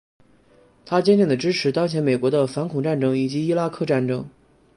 他坚定的支持当前美国的反恐战争以及伊拉克战争。